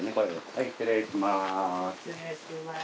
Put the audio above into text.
はい失礼します。